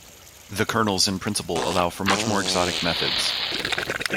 The kernels in principle allow for much more exotic methods.